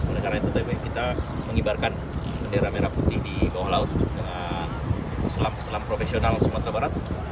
oleh karena itu tadi kita mengibarkan bendera merah putih di bawah laut dengan peselam peselam profesional sumatera barat